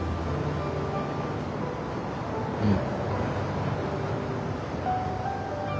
うん。